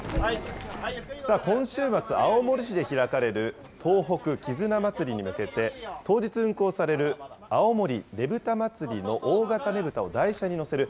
今週末、青森市で開かれる、東北絆まつりに向けて、当日運行される青森ねぶた祭の大型ねぶたを台車に載せる